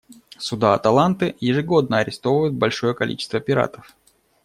Суда «Аталанты» ежегодно арестовывают большое количество пиратов.